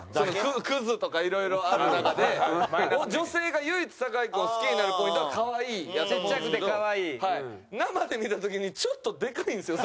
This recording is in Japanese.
クズとか色々ある中で女性が唯一酒井君を好きになるポイントはかわいいやと思うんですけど生で見た時にちょっとでかいんすよ